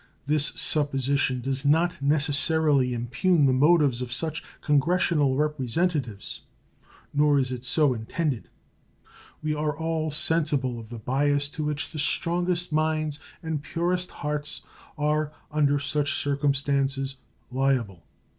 This supposition does not necessarily impugn the motives of such Congressional representatives, nor is it so intended. We are all sensible of the bias to which the strongest minds and purest hearts are, under such circumstances, liable.